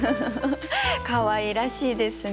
かわいらしいですね。